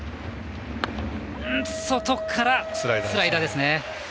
外からスライダーですね。